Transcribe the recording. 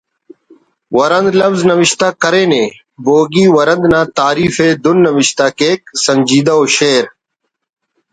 ورند“ لوز نوشتہ کرینے بوگی ورند نا تعریف ءِ دُن نوشتہ کیک ”سنجیدہ ءُ شعر